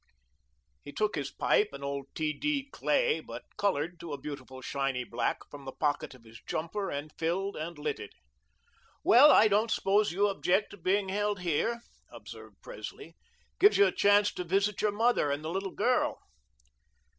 He took his pipe, an old T. D. clay, but coloured to a beautiful shiny black, from the pocket of his jumper and filled and lit it. "Well, I don't suppose you object to being held here," observed Presley. "Gives you a chance to visit your mother and the little girl."